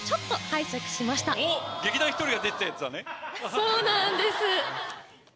そうなんです。